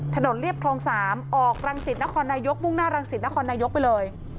เรียบคลอง๓ออกรังสิตนครนายกมุ่งหน้ารังสิตนครนายกไปเลย